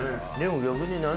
でも逆に。